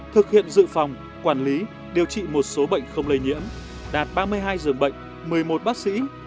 thực hiện dự phòng quản lý điều trị một số bệnh không lây nhiễm đạt ba mươi hai dường bệnh một mươi một bác sĩ